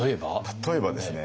例えばですね